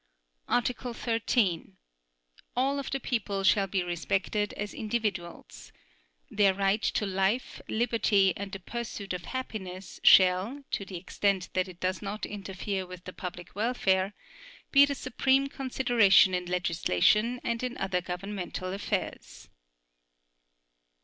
Article 13. All of the people shall be respected as individuals. Their right to life, liberty, and the pursuit of happiness shall, to the extent that it does not interfere with the public welfare, be the supreme consideration in legislation and in other governmental affairs.